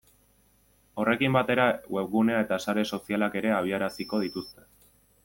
Horrekin batera webgunea eta sare sozialak ere abiaraziko dituzte.